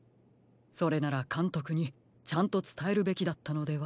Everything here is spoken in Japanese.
それなら監督にちゃんとつたえるべきだったのでは？